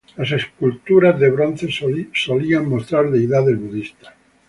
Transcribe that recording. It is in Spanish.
Las esculturas de bronce solían mostrar deidades budistas.